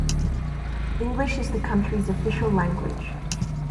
English is the country's official language.